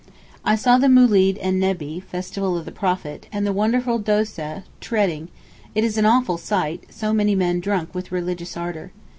I saw the Moolid en Nebbee (Festival of the Prophet), and the wonderful Dóseh (treading); it is an awful sight; so many men drunk with religious ardour.